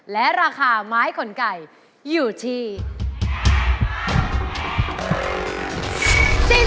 และราคาไม้ขนไก่อยู่ที่